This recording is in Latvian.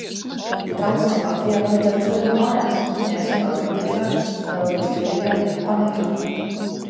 Draudzenei Latvijā vajadzētu sēdēt mājās, bet viņai esot atbildīgs darbs. Draudzenes Krievijā ir panikā.